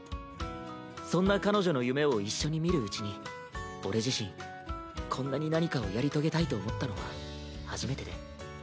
そんな彼女の夢を一緒に見るうちに俺自身こんなに何かをやり遂げたいと思ったのは初めてで。